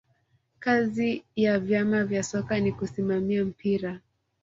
kazi ya vyama vya soka ni kusimamia mpira